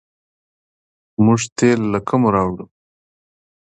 موږ تیل له کومه راوړو؟